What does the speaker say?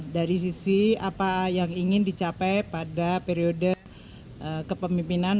dari sisi apa yang ingin dicapai pada periode kepemimpinan